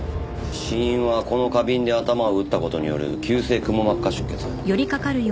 死因はこの花瓶で頭を打った事による急性くも膜下出血。